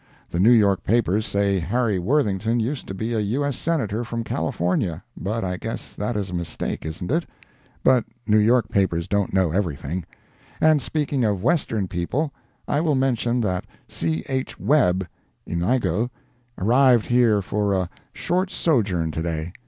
The New York papers say Harry Worthington used to be a U. S. Senator from California—but I guess that is a mistake, isn't it? But New York papers don't know everything. And speaking of Western people, I will mention that C. H. Webb ("Inigo") arrived here for a short sojourn to day.